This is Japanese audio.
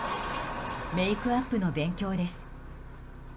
メイクアップの勉強です。